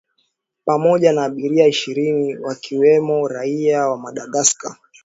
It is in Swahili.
pamoja na abiria ishirini wakiwemo raia wa madagascar